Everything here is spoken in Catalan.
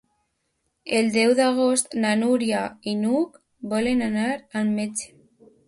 El deu d'agost na Núria i n'Hug volen anar al metge.